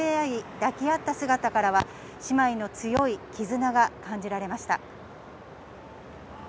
抱き合った姿からは姉妹の強いきずなが感じられました。